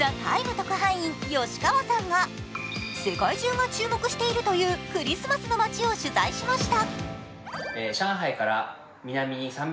特派員吉川さんが世界中が注目しているというクリスマスの街を取材しました。